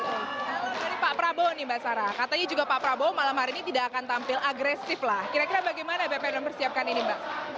jadi pak prabowo nih mbak sarah katanya juga pak prabowo malam hari ini tidak akan tampil agresif lah kira kira bagaimana bpnu bersiapkan ini mbak